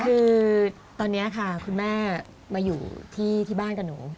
คือตอนนี้ค่ะคุณแม่มาอยู่ที่บ้านกับหนู